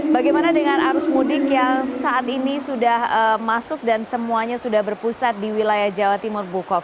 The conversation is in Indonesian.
bagaimana dengan arus mudik yang saat ini sudah masuk dan semuanya sudah berpusat di wilayah jawa timur bukov